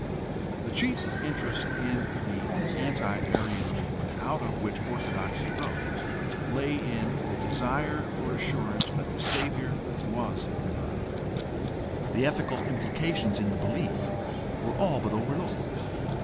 The chief interest in the anti Arian movement out of which orthodoxy rose lay in the desire for assurance that the Savior was divine. The ethical imphcations in the belief were all but overlooked.